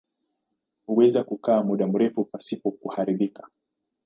Huweza kukaa muda mrefu pasipo kuharibika.